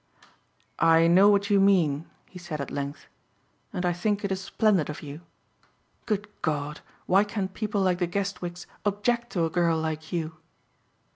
"I know what you mean," he said at length, "and I think it is splendid of you. Good God! why can people like the Guestwicks object to a girl like you?"